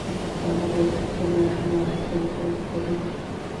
پښتانه بايد د خپلو ماشومانو ښوونځيو کې ګډون وکړي.